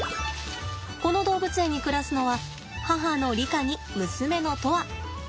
この動物園に暮らすのは母のリカに娘の砥愛。